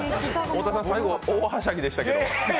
太田さん、最後、大はしゃぎでしたけど。